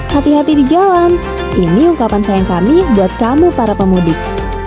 hati hati di jalan ini ungkapan sayang kami buat kamu para pemudik